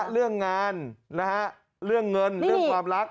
เรื่องงานนะฮะเรื่องเงินเรื่องความรัก